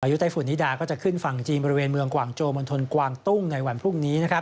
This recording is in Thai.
ยุไตฝุ่นนิดาก็จะขึ้นฝั่งจีนบริเวณเมืองกว่างโจมณฑลกวางตุ้งในวันพรุ่งนี้